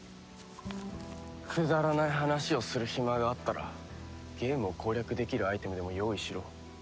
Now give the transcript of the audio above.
くだらない話をする暇があったらゲームを攻略できるアイテムでも用意しろ。